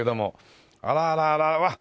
あらあらあらわあ